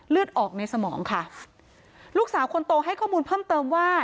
เลือดออกในสมองค่ะลูกสาวคนโตให้ข้อมูลเพิ่มเติมว่า